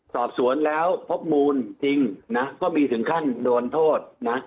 สอบสวนแล้วพบมูลจริงนะก็มีถึงขั้นโดนโทษนะ